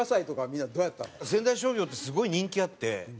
仙台商業ってすごい人気あって。